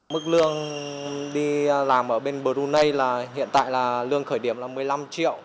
mức lương đi làm ở bên brunei hiện tại lương khởi điểm là một mươi năm triệu